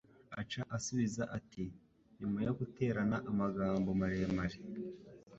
Aca asubiza ati Nyuma yo guterana amagambo maremare